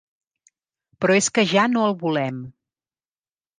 Però és que ja no el volem.